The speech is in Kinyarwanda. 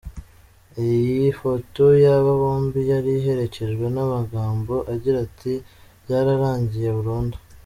Iyi foto y’aba bombi yari iherekejwe n’amagambo agira ati: “Byararangiye burundu!!”.